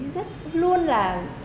rất luôn là